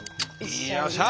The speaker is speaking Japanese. よっしゃ。